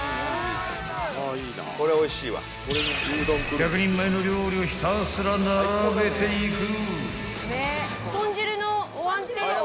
［１００人前の料理をひたすら並べていく］